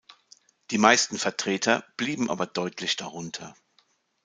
Die meisten Vertreter blieben aber deutlich darunter.